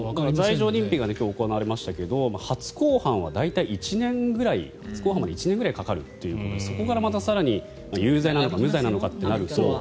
罪状認否が今日、行われましたが初公判まで大体１年くらいかかるということでそこからまた更に有罪なのか無罪なのかとなると。